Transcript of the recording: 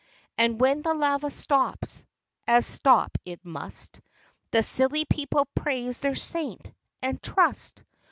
And when the lava stops, as stop it must, The silly people praise their Saint, and trust.